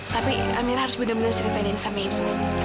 tapi amira harus bener bener ceritainin sama ibu